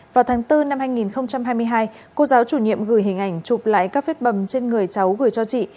vào tháng bốn năm hai nghìn hai mươi hai cô giáo chủ nhiệm gửi hình ảnh chụp lại các vết bầm trên người cháu gửi cho chị